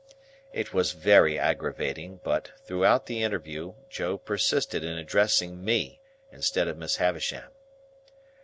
It was very aggravating; but, throughout the interview, Joe persisted in addressing Me instead of Miss Havisham.